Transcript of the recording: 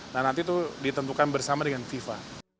dan nanti itu ditentukan bersama dengan fifa